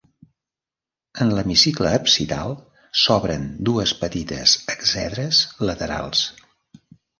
En l'hemicicle absidal s'obren dues petites exedres laterals.